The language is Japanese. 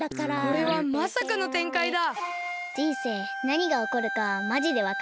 これはまさかのてんかいだ。